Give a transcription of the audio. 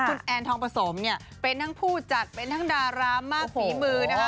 คุณแอนทองผสมเนี่ยเป็นทั้งผู้จัดเป็นทั้งดารามากฝีมือนะคะ